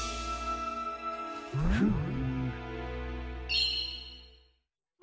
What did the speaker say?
フーム。